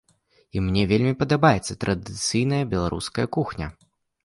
І мне вельмі падабаецца традыцыйная беларуская кухня.